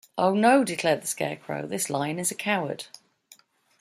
"Oh, no;" declared the Scarecrow; "this Lion is a coward."